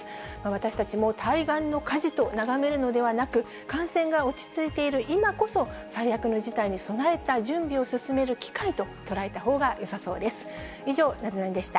私たちも対岸の火事と眺めるのではなく、感染が落ち着いている今こそ、最悪の事態に備えた準備を進める機会と捉えたほうがよさそうです。